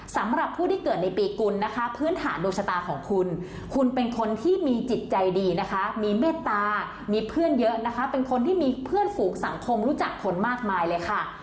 สำหรับผู้ที่เกิดในปีกุลนะคะพื้นฐานดวงชะตาของคุณคุณเป็นคนที่มีจิตใจดีนะคะมีเมตตามีเพื่อนเยอะนะคะเป็นคนที่มีเพื่อนฝูงสังคมรู้จักคนมากมายเลยค่ะ